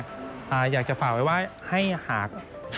อยากจะเฝ้าระว่าให้หาก